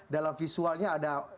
dalam visualnya ada